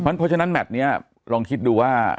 เพราะฉะนั้นแมทนี้ลองคิดดูว่า